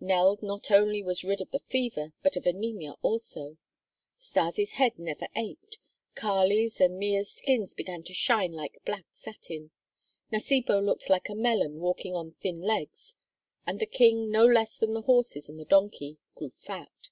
Nell not only was rid of the fever but of anaemia also; Stas' head never ached; Kali's and Mea's skins began to shine like black satin; Nasibu looked like a melon walking on thin legs, and the King, no less than the horses and the donkey, grew fat.